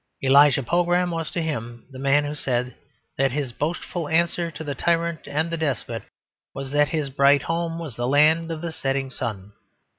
Elijah Pogram was to him the man who said that "his boastful answer to the tyrant and the despot was that his bright home was the land of the settin' sun."